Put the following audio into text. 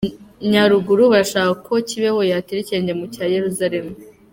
Nyaruguru Barashaka ko Kibeho yatera ikirenge mu cya Yeruzalemu